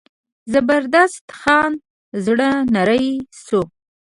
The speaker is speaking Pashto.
زبردست خان زړه نری شو.